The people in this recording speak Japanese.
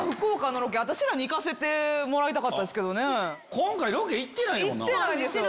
今回ロケ行ってないもんな。